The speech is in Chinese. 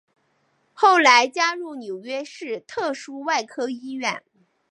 后来加入纽约市特殊外科医院。